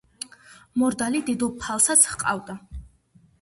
მორდალი დედოფალსაც ჰყავდა.